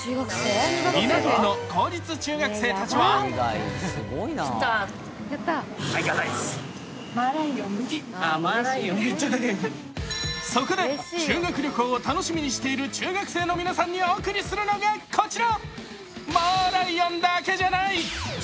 港区の公立中学生たちはそこで修学旅行を楽しみにしている中学生の皆さんにお贈りするのが、こちら。